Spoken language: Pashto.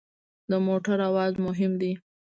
د موټر اواز مهم دی.